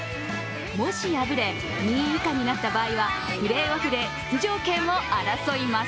もし敗れ、２位以下になった場合はプレーオフで出場権を争います。